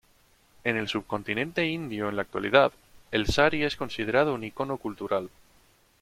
En el subcontinente indio en la actualidad, el sari es considerado un ícono cultural.